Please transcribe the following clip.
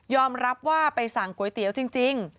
รับว่าไปสั่งก๋วยเตี๋ยวจริง